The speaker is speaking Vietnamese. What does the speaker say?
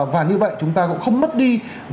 và như vậy chúng ta cũng không mất đi